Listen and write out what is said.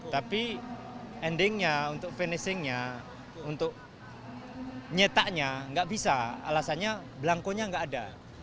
tapi endingnya untuk finishingnya untuk nyetaknya nggak bisa alasannya belangkonya nggak ada